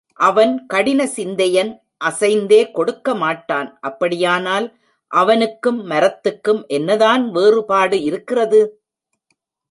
அவன் கடின சிந்தையன் அசைந்தே கொடுக்க மாட்டான் அப்படியானால் அவனுக்கும் மரத்துக்கும் என்னதான் வேறுபாடு இருக்கிறது?